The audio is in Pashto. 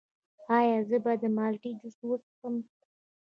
ایا زه باید د مالټې جوس وڅښم؟